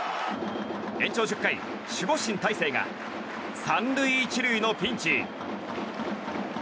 延長１０回、守護神・大勢が３塁１塁のピンチ。